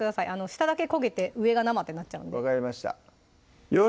下だけ焦げて上が生ってなっちゃうんで分かりましたよ